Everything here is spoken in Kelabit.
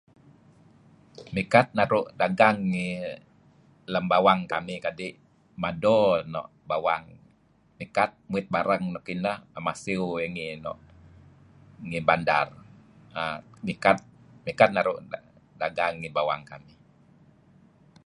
Mikat naru' dagang ngi lem bawang kamih kadi' mado noh bawang. Mikat muit barang nuk ineh tuen masiew noh ngi bandar. uhm Mikat naru' dagang ngi bawang kamih.